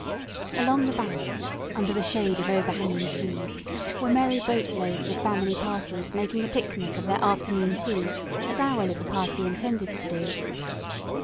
Along the banks, under the shade of overhanging trees, were merry boat loads of family parties making a picnic of their afternoon tea, as our little party intended to do.